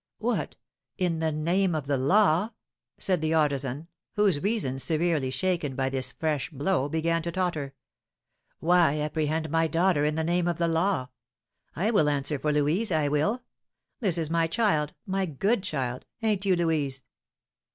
"What! in the name of the law?" said the artisan, whose reason, severely shaken by this fresh blow, began to totter. "Why apprehend my daughter in the name of the law? I will answer for Louise, I will, this my child, my good child, ain't you, Louise?